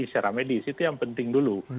secara medis itu yang penting dulu